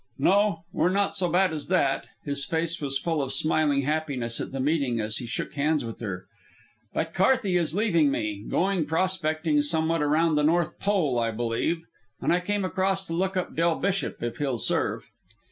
"No. We're not so bad as that." His face was full of smiling happiness at the meeting as he shook hands with her. "But Carthey is leaving me, going prospecting somewhere around the North Pole, I believe, and I came across to look up Del Bishop, if he'll serve."